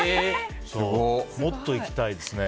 もっと行きたいですね。